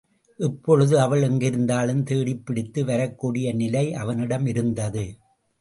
இப்பொழுது அவள் எங்கிருந்தாலும், தேடிப்பிடித்து வரக்கூடிய நிலை அவனிடம் இருந்தது.